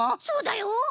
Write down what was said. そうだよ。